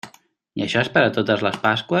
I això és per a totes les Pasqües?